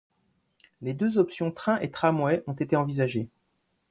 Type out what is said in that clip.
Les deux options train et tram-train ont été envisagées.